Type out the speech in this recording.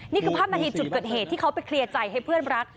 นี่คือภาพนาทีจุดเกิดเหตุที่เขาไปเคลียร์ใจให้เพื่อนรัก